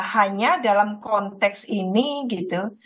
hanya dalam konteks ini gitu